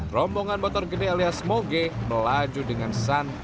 rombongan motor gede alias moge melaju dengan santai